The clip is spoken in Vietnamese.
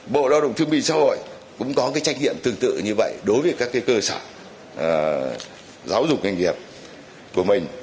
bộ đào đồng thương vị xã hội cũng có trách nhiệm tương tự như vậy đối với các cơ sở giáo dục doanh nghiệp của mình